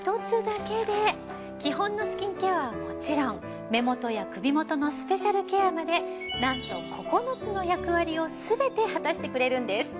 基本のスキンケアはもちろん目元や首元のスペシャルケアまでなんと９つの役割をすべて果たしてくれるんです。